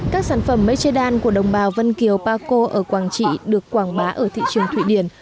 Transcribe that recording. các sản phẩm mây che đan của đồng bào vân kiều paco ở quảng trị được quảng bá ở thị trường thụy điển